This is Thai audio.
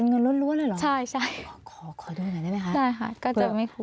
ขอล่วงหน่อยครับ